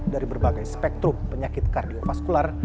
dari berbagai spektrum penyakit kardiofaskular